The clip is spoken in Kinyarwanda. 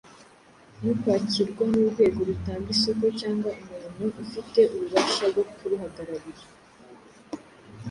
no kwakirwa n’urwego rutanga isoko cyangwa umuntu ufite ububasha bwo kuruhagararira.